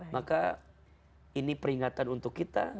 maka ini peringatan untuk kita